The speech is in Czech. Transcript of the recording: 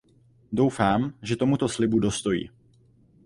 Doufám, že tomuto slibu dostojí.